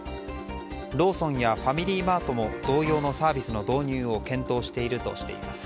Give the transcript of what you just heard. ローソンやファミリーマートも同様のサービスの導入を検討しているとしています。